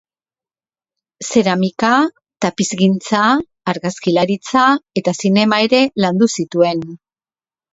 Zeramika, tapizgintza, argazkilaritza eta zinema ere landu zituen.